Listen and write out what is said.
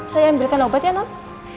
saya yang berikan obat ya nang